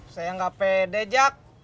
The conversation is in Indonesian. saya enggak pede jack